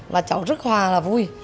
và cháu rất hòa là vui